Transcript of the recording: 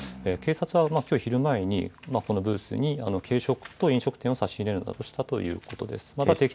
警察は、きょう昼前にこのブースに軽食と飲料水を差し入れたということです。